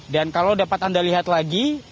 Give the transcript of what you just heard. dan kalau dapat anda lihat lagi